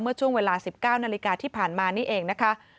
เมื่อช่วงเวลา๑๙นาฬิกาที่ผ่านมานี่เองนะคะ